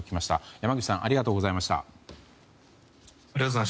山口さんありがとうございました。